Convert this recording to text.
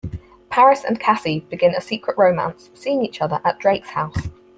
Parris and Cassie begin a secret romance, seeing each other at Drake's house.